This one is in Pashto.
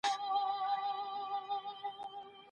عصبیت په ټولنه کي مهم ځای لري.